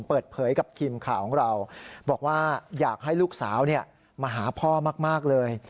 เปิดเผยกับทีมข่าวของเราบอกว่าอยากให้ลูกสาวมาหาพ่อมากเลย